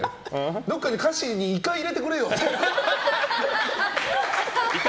どこかで歌詞にイカ入れてくれよ！とか。